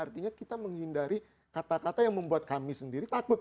artinya kita menghindari kata kata yang membuat kami sendiri takut